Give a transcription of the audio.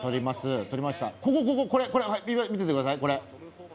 見ててくださいこれ。